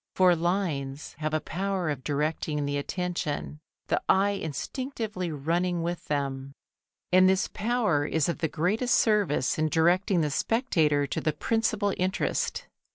For lines have a power of directing the attention, the eye instinctively running with them, and this power is of the greatest service in directing the spectator to the principal interest.